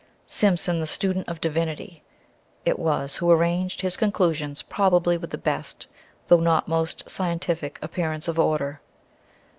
Simpson, the student of divinity, it was who arranged his conclusions probably with the best, though not most scientific, appearance of order.